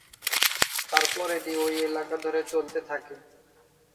তারপর এটি ওই এলাকা ধরে চলতে থাকে।